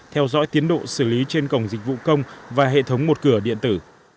theo dõi tiến độ xử lý trên cổng dịch vụ công và hệ thống một cửa điện tử